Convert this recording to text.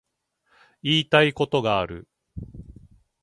言いたいことがある